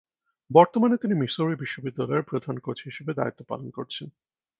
বর্তমানে তিনি মিসৌরি বিশ্ববিদ্যালয়ের প্রধান কোচ হিসেবে দায়িত্ব পালন করছেন।